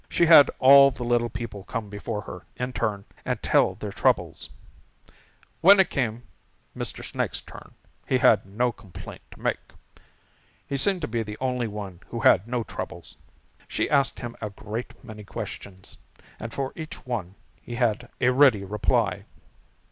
She had all the little people come before her in turn and tell their troubles. When it came Mr. Snake's turn, he had no complaint to make. He seemed to be the only one who had no troubles. She asked him a great many questions, and for each one he had a ready reply.